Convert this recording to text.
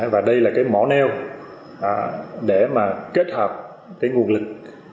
và đây là mỏ neo để kết hợp nguồn lực